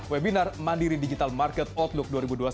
webinar mandiri digital market outlook dua ribu dua puluh satu